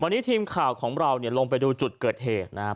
วันนี้ทีมข่าวของเราเนี่ยลงไปดูจุดเกิดเหตุนะครับ